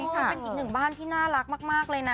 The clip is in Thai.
ค่ะเป็นอีกหนึ่งบ้านที่น่ารักมากเลยนะ